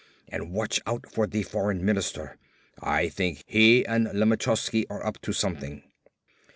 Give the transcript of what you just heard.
And watch out for the Foreign Minister. I think he and Lemachovsky are up to something."